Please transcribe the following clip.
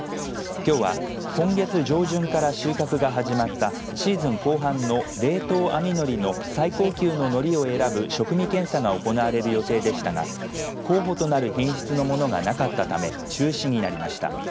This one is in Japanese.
きょうは今月上旬から収穫が始まったシーズン後半の冷凍網のりの最高級ののりを選ぶ食味検査が行われる予定でしたが候補となる品質のものがなかったため中止になりました。